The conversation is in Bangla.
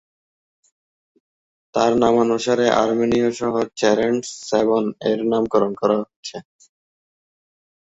তার নামানুসারে আর্মেনীয় শহর চ্যারেন্টস্যাভন-এর নামকরণ হয়েছে।